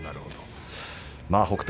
北勝